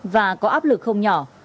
và có áp lực không nhỏ